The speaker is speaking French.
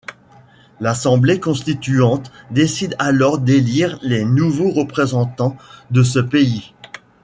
L'assemblée constituante décide alors d'élire les nouveaux représentants de ce pays.